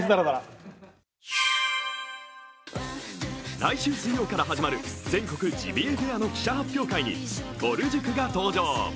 来週水曜から始まる全国ジビエフェアの記者発表会にぼる塾が登場。